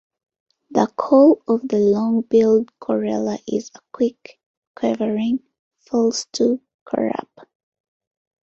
The call of the long-billed corella is a quick, quavering, falsetto currup!